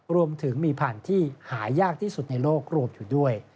รวมถึงมีพันธุ์ที่หายากที่สุดในโลกรวมอยู่ด้วย